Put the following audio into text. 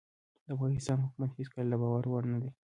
د پاکستان حکومت هيڅکله دباور وړ نه دي